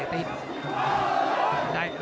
ติด